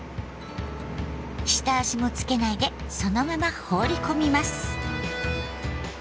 下味もつけないでそのまま放り込みます。